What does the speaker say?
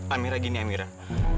amirah gini amirah